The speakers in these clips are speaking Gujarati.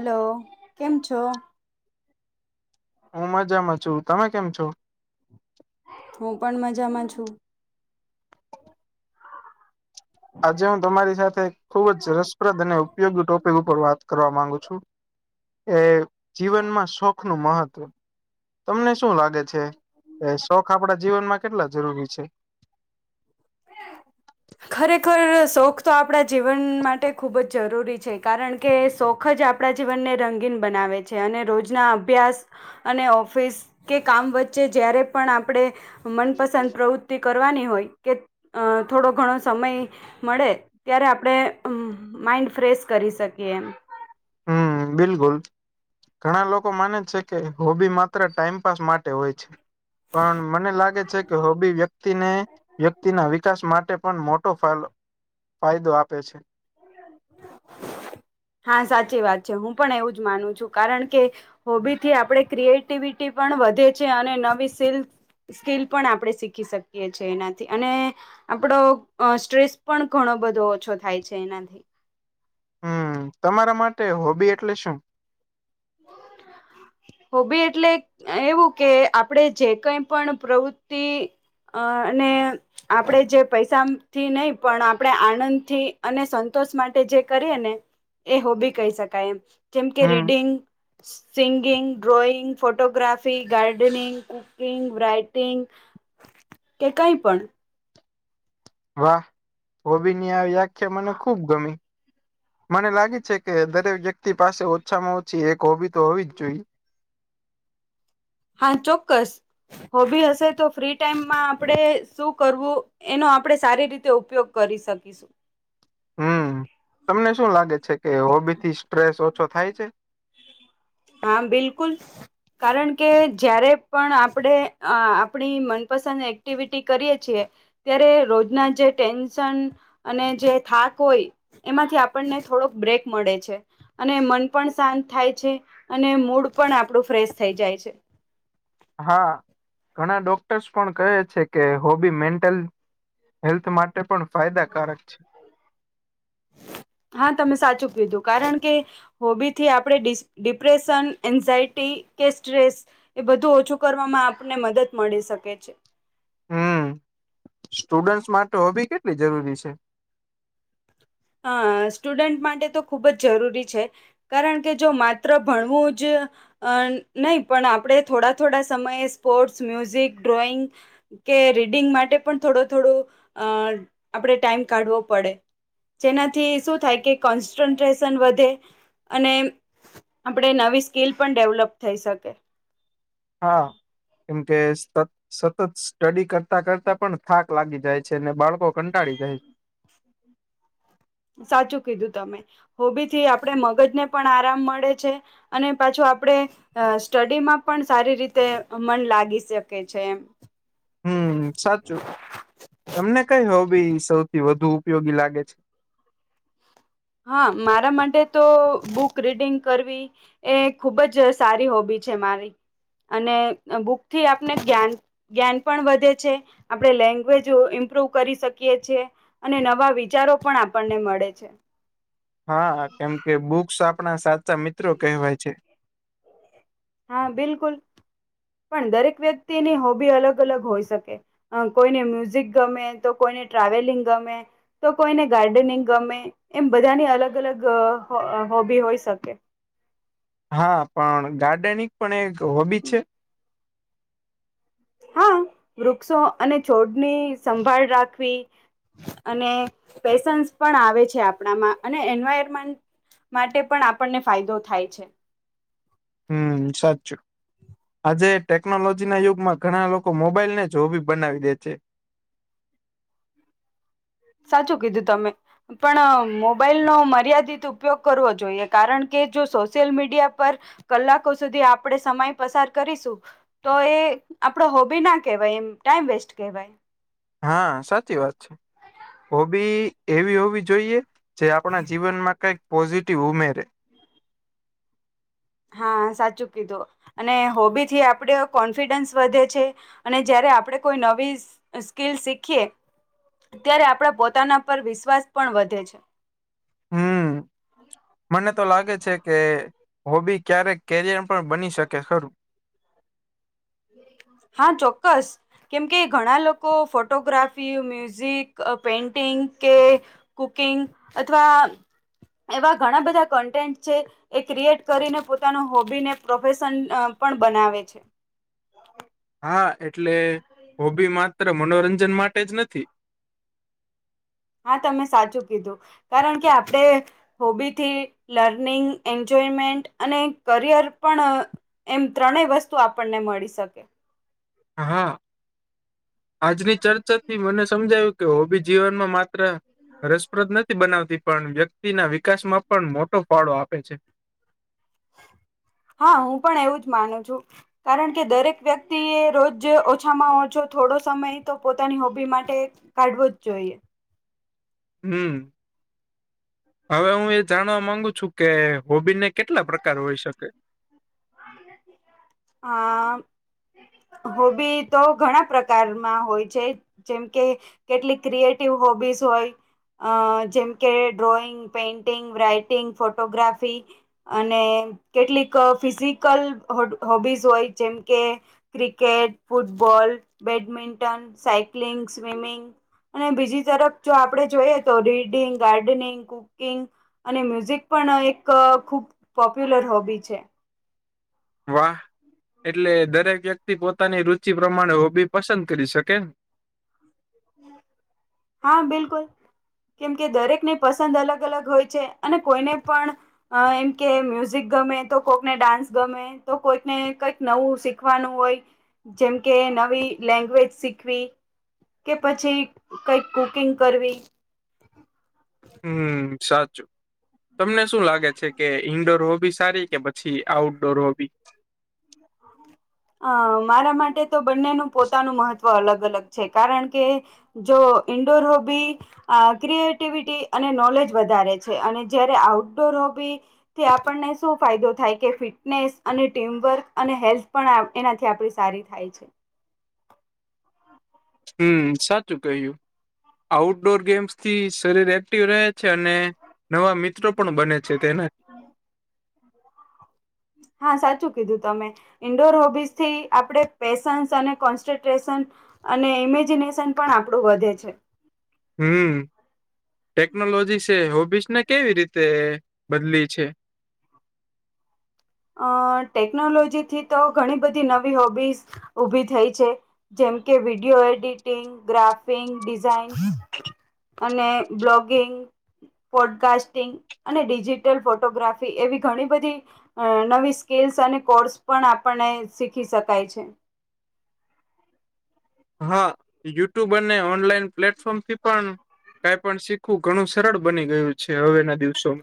હલો કેમ છો? હું મજામાં છું. તમે કેમ છો? હું પણ મજામાં છું. આજે હું તમારી સાથે ખુબ જ રસપ્રદ અને ઉપયોગી ટોપિક ઉપર વાત કરવા માંગુ છુ. એ જીવનમાં શોખ નું મહત્ત્વ. તમને શું લાગે છે, કે શોખ આપડા જીવનમાં કેટલા જરૂરી છે? ખરેખર શોખ તો આપણા જીવન માટે ખૂબ જ જરૂરી છે, કારણ કે શોખ જ આ પણા જીવનને રંગીન બનાવે છે, અને રોજના અભ્યાસ અને ઓફિસ કે કામ વચ્ચે જ્યારે પણ આપણે મનપસંદ પ્રવૃત્તિ કરવાની હોય કે અ થોડો ઘણો સમય મળે ત્યારે આપણે માઇન્ડ ફ્રેશ કરી શકીએ એમ હમ બિલકુલ ઘણા લોકો માને છે, કે હોબી માત્ર ટાઈમપાસ માટે હોય છે. પણ મને લાગે છે, કે હોબી વ્યક્તિને વ્યક્તિના વિકાસ માટે પણ મોટો ફાલ ફાયદો આપે છે. હા સાચી વાત છે, હું પણ એવું જ માનું છું કારણ કે હોબીથી આપણે ક્રિએટિવિટી પણ વધે છે, અને નવી સિલ સ્કીલ પણ આપણે શીખી શકીએ છે, એનાથી અને આપડો અ સ્ટ્રેસ પણ ઘણો બધો ઓછો થાય છે, એનાથી હમ તમારા માટે હોબી એટલે શું [inaudible] હોબી એટલે એવું કે આપણેે જે કઈ પણ પ્રવૃતિ અ ને આપણેે જે પૈસાથી નહી પણ આપણે આનંદથી અને સંતોષ માટે જે કરીએ ને એ હોબી કહી શકાય એમ જેમ કે હમ reading singing, drawing, photography, gardening, કુ કીગં વારાઈટિંગ કે કઈ પણ વાહ હોબીની આ વ્યાખ્યા મને ખુબ ગમી મને લાગે છે, કે દરેક વ્યક્તિ પાસે ઓછામાં ઓછી એક હોબી તો હોવી જ જોઈએ હા ચોક્કસ હોબી હશે તો ફ્રી ટાઈમમાં આપણેે શું કરવું? એનો આપણે સારી રીતે ઉપયોગ કરી શકીશું હમ તમને શું લાગે છે, કે હોબીથી સ્ટ્રેસ ઓછો થાય છે? હા બિલકુલ કારણ કે જ્યારે પણ આપણે અ આપણી મનપસંદ એક્ટિવિટી કરીએ છીએ ત્યારે રોજના જે ટેન્શન અને જે થાક હોય એમાંથી આપણને થોડોક બ્રેક મળે છે, અને મન પણ શાંત થાય છે. અને મૂડ પણ આપણું ફ્રેશ થઈ જાય છે. હા ઘણા ડોક્ટર્સ પણ કહે છે, કે હોબી મેન્ટલ હેલ્થ માટે પણ ફાયદાકારક છે. હા તમે સાચું કીધું કારણ કે હોબીથી આપણે ડિસ ડિપ્રેશન, એન્ઝાયટી કે સ્ટ્રેસ એ બધું ઓછું કરવામાં આપને મદદ મળી શકે છે. સ્ટુડન્ટ માત હોબી કેટલી જરૂરી છે. હ સ્ટુડન્ટ માટે તો ખૂબ જ જરૂરી છે. કારણ કે જો માત્ર ભણવું જ અ નહીં પણ આપણે થોડા થોડા સમયે સ્પોર્ટ્સ, મ્યુઝિક, ડ્રોઈંગ કે રીડિંગ માટે પણ થોડો થોડું અ આપણે ટાઈમ કાઢવો પડે જેનાથી શું થાય કે કોન્સન્ટ્રેશન વધે અને આપણે નવી સ્કીલ પણ ડેવલપ થઈ શકે હા કેમ કે એસ ત સતત સ્ટડી કરતા કરતા પણ થાક લાગી જાય છે, ને બાળકો કંટાળી જાય છે. સાચું કીધું તમે હોબી થી આપણે મગજને પણ આરામ મળે છે. અને પાછો આપડે. અ સ્ટડીમાં પણ સારી રીતે મન લાગી શકે છે, એમ હમ સાચું તમને કઈ હોબી સૌથી વધુ ઉપયોગી લાગે છે. હા મારા માટે તો બુક રીડિંગ કરવી એ ખૂબ જ સારી હોબી છે, મારી અને બુકથી આપને જ્ઞાન જ્ઞાન પણ વધે છે, આપડે લેંગ્વેજ ઇમ્પ્રુવ કરી શકીએ છે. અને નવા વિચારો પણ આપણને મળે છે. હા કેમ કે બુક્સ આપણા સાચા મિત્રો કહેવાય છે. હા બિલકુલ પણ દરેક વ્યક્તિની હોબી અલગ અલગ હોય શકે. અ કોઈને મ્યુઝિક ગમે તો કોઈને ટ્રાવેલિંગ ગમે. તો કોઈને ગાર્ડનિંગ ગમે એમ બધાની અલગ અલગ હોબી હોઈ શકે. હા પણ ગાર્ડનિંગ પણ એક હોબી છે. હા વૃક્ષો અને છોડની સંભાળ રાખવી. અને પેશન્સ પણ આવે છે. આપણામાં અને એન્વાયરમેન્ટ માટે પણ આપણને ફાયદો થાય છે. હમ્મ સાચું આજે ટેકનોલોજી ના યુગમાં ઘણા લોકો મોબાઈલ ને જોબી બનાવી દે છે. સાચું કીધું તમે પણ મોબાઈલનો મર્યાદિત ઉપયોગ કરવો જોઈએ, કારણ કે જો સોશિયલ મીડિયા પર કલાકો સુધી આપણે સમય પસાર કરીશું. તો એ આપડો હોબી ના કેહેવાય એમ ટાઈમ વેસ્ટ કહેવાય. હા સાચી વાત છે, હોબી એવી હોવી જોઈએ. જે આપણા જીવનમાં કઈક પોઝિટિવ ઉમેરે. હા સાચું કીધું. અને હોબી થી આપણે કોન્ફિડન્સ વધે છે અને જયારે આપણે કોઈ નવી સ્કીલ શીખીએ ત્યારે આપણા પોતાના પર વિશ્વાસ પણ વધે છે. હમ [inaudible] મને તો લાગે છે કે હોબી ક્યારેક કેરિયર પણ બની શકે ખરું. હા ચોક્કસ કેમકે ઘણા લોકો ફોટોગ્રાફી, મ્યુઝિક, પેઇન્ટિંગ કે કુકિંગ અથવા એવા ઘણા બધા કન્ટેન્ટ છે. એ ક્રિએટ કરીને પોતાનું હોબી ને પ્રોફેશન પણ બનાવે છે. [inaudible] હા. એટલે હોબી માત્ર મનોરંજન માટે જ નથી. હા તમે સાચું કીધું. કારણ કે આપડે હોબીથી લર્નિંગ, એન્જોયમેન્ટ અને કરિયર પણ એમ ત્રણેય વસ્તુ આપણને મળી શકે. હા. આજની ચર ચાથી મને સમજાયું કે હોબી જીવનમાં માત્ર રસપ્રદ નથી બનાવતી. પણ વ્યક્તિ ના વિકાસ માં પણ મોટો ફાળો આપે છે. હા હું પણ એવું જ માનું છું. કારણ કે દરેક વ્યક્તિએ રોજ ઓછામાં ઓછો થોડો સમય તો પોતાની હોબી માટે કાઢવો જ જોઈએ. હમ્મ. હવે હું એ જાણવા માંગુ છું કે હોબીને કેટલા પ્રકાર હોય શકે? અહ હોબી તો ઘણા પ્રકારમાં હોય છે. જેમ કે કેટલી ક્રિએટિવ હોબીઝ હોય અહ જેમ કે ડ્રોઈંગ, પેઇન્ટિંગ, રાઈટિંગ, ફોટોગ્રાફી અને કેટલીક ફિઝિકલ હોડ હોબીઝ હોય જેમ કે cricket, football, badminton, cycling, swimming અને બીજી તરફ જો આપડે જોઈએ તો રીડિંગ, ગાર્ડનિંગ, કુક કિંગ અને મ્યુઝિક પણ એક ખુબ પોપ્યુલર હોબી છે. વાહ! એટલે દરેક વ્યક્તિ પોતાની રુચિ પ્રમાણે હોબી પસંદ કરી શકે. હા, બિલકુલ. કેમ કે દરેકને પસંદ અલગ-અલગ હોય છે, અને કોઈને પણ અહ એમ કે મ્યુઝિક ગમે, તો કોકને ડાન્સ ગમે તો કોઈકને કંઈક નવું શીખવાનું હોય જેમ કે નવી લેંગ્વેજ શીખવી કે પછી કંઈક કુકિંગ કરવી હમ્મ, સાચું. તમને શું લાગે છે, કે ઈન્ડોર હોબી સારી, કે પછી આઉટડોર હોબી? [inaudible] અહ મારા માટે તો બંનેનું પોતાનું મહત્વ અલગ-અલગ છે, કારણ કે જો ઇન્ડોર હોબી અહ ક્રિએટિવિટી અને નોલેજ વધારે છે, અને જયારે આઉટડોર હોબી થી આપણને શું ફાયદો થાય, કે ફિટનેસ અને ટીમવર્ક અને હેલ્થ પણ આ એનાથી આપણી સારી થાય છે. હમ્મ, સાચું કહ્યું. આઉટડોર ગેમ્સ થી શરીર એક્ટિવ રહે છે, અને નવા મિત્રો પણ બને છે, તેને હા, સાચું કીધું તમે. ઇન્ડોર હોબીઝ થી આપણે પેશન્સ, અને કોન્સ્ટ્રટ્રેશન અને ઇમેજિનેશન પણ આપણું વધે છે. હમ્મ. ટેકનોલોજીસ એ હોબીસ ને કેવી રીતે બદલી છે? અહ ટેકનોલોજીથી તો ઘણી બધી નવી હોબીઝ ઊભી થઈ છે. જેમ કે વિડીયો એડિટિંગ, ગ્રાફિંગ ડિઝાઇન અને બ્લોગિંગ પોડકાસ્ટિંગ, અને ડિજિટલ ફોટોગ્રાફી એવી ઘણી બધી અહ નવી સ્કીલ્સ અને કોર્સ પણ આપણને શીખી શકાય છે. હા. યુટ્યુબ અને ઓનલાઈન પ્લેટફોર્મ થી પણ કાઈ પણ શીખવું ઘણું સરળ બની ગયું છે, હવે ના દિવસો.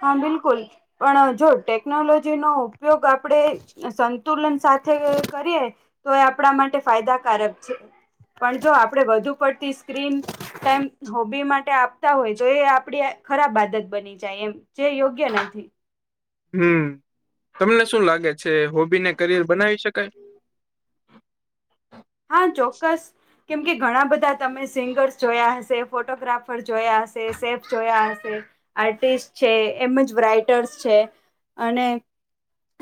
હા બિલકુલ. પણ જો ટેકનોલોજી નો ઉપયોગ આપણેે સંતુલન સાથે કરીએ તો એ આપણા માટે ફાયદાકારક છે. પણ જો આપડે વધુ પડતી સ્ક્રીન તેમ હોબી માટે આપતા હોય તો એ આપડી ખરાબ આદત બની જાય એમ. જે યોગ્ય નથી. હમ્મ. તમને શું લાગે છે, હોબી ને કરિયર બનાવી શકાય? હા, ચોક્કસ. કેમ કે ઘણા બધા તમે સિંગર્સ જોયા હશે, ફોટોગ્રાફર જોયા હશે, સેફ જોયા હશે. આર્ટિસ્ટ છે, એમ જ રાઈટર્સ છે, અને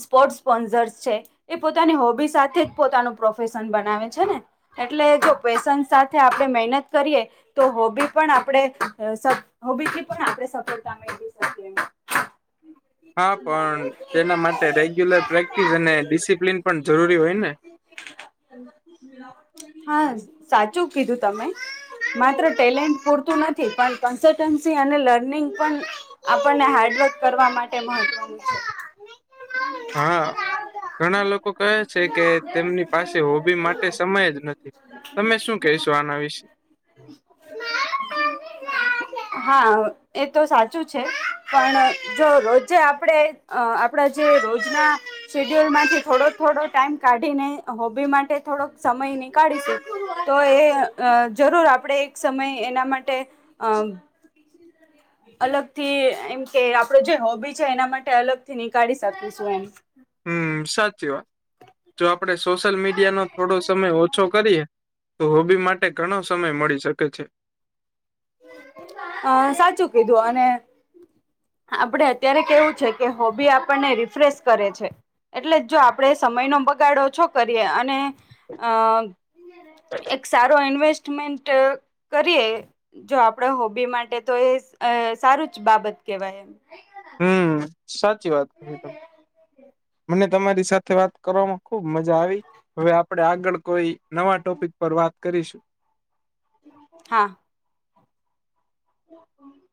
સ્પોર્ટ્સ સ્પોન્સર્સ છે, એ પોતાની હોબી સાથે જ પોતાનું પ્રોફેશન બનાવે છે ને? એટલે જો પેશન્સ સાથે આપણે મહેનત કરીએ તો હોબી પણ આપણે સ હોબી થી પણ આપે સફળતા મેળવી શકીએ એમ. હા પણ, તેના માટે રેગ્યુલર પ્રેક્ટિસ અને ડિસિપ્લીન પણ જરૂરી હોય ને? હા, સાચું કીધું તમે. માત્ર ટેલેન્ટ પૂરતું નથી, પણ કન્સલટન્સી અને લર્નિંગ પણ આપણને હાર્ડવર્ક કરવા માટે મહત્વનું છે. હા. ઘણા લોકો કહે છે કે તેમની પાસે હોબી માટ તે સમય જ નથી તમે શું કહીશો આના વિશે? હા એ તો સાચું છે. પણ જો રોજે આપણેે અહ આપડા જે રોજના શેડ્યુલ માંથી થોડો-થોડો ટાઈમ કાઢીને હોબી માટે થોડોક સમય નીકાળીશું, તો એ અહ જરૂર આપણે એક સમય એના માટે અહ અલગથી એમ કે આપડો જે હોબી છે એના માટે અલગ થી નીકાળી શકીશું એમ. હમ્મ સાચી વાત જો આપડે સોશિયલ મીડિયાનો થોડો સમય ઓછો કરીએ. તો હોબી માટે ઘણો સમય મળી શકે છે. હ સાચું કીધું અને આપડે અત્યારે કેવું છે કે હોબી આપણને રિફ્રેશ કરે છે. એટલે જો આપણેે સમયનો બગાડો ઓછો કરીએ અને અ એક સારો ઈન્વેસ્ટમેન્ટ કરીએ. જો આપણા હોબી માટે તો એ સારું જ બાબત કેવાય એમ. હમ્મ સાચી વાત [inaudible] મને તમારી સાથે વાત કરવામાં ખુબ મજા આવી હવે આપડે આગળ કોઈ નવા ટોપિક પર વાત કરીશું. હા [inaudible]